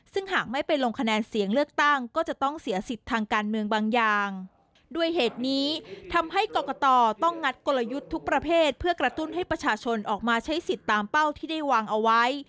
ซึ่งหากไม่ไปลงคะแนนเสียงเลือกตั้งก็จะต้องเสียสิทธิ์ทางการเมืองบางอย่างด้วยเหตุนี้ทำให้กรกตต้องงัดกลยุทธ์ทุกประเภทเพื่อกระตุ้นให้ประชาชนออกมาใช้สิทธิ์ตามเป้าที่ได้วางเอาไว้